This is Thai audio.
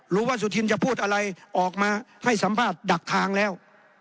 ว่าสุธินจะพูดอะไรออกมาให้สัมภาษณ์ดักทางแล้ว